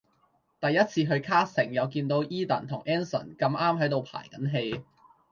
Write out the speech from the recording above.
第一次去 casting 又見到 Edan 同 Anson 咁啱喺度排緊戲